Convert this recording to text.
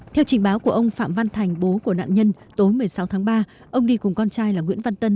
theo trình báo của ông phạm văn thành bố của nạn nhân tối một mươi sáu tháng ba ông đi cùng con trai là nguyễn văn tân